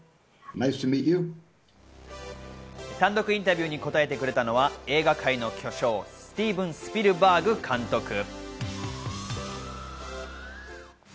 単独インタビューに答えてくれたのは映画界の巨匠、スティーヴン・スピルバーグ監督。